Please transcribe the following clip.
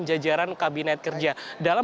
jajaran kabinet kerja dalam